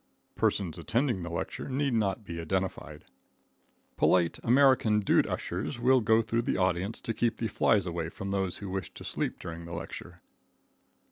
Persons attending the lecture need not be identified. Polite American dude ushers will go through the audience to keep the flies away from those who wish to sleep during the lecture.